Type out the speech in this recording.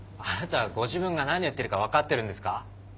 あなたご自分が何を言ってるか分かってるんですか？